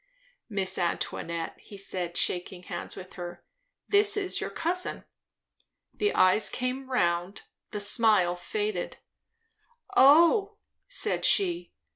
"Miss Antoinette," said he, shaking hands with her, "this is your cousin." The eyes came round, the smile faded. "Oh! " said she.